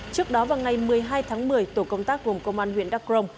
trước đó vào ngày một mươi hai tháng một mươi tổ công tác gồm công an huyện đắc crông